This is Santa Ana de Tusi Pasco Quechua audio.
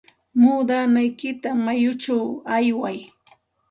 Muudanaykita mayuchaw aywiy.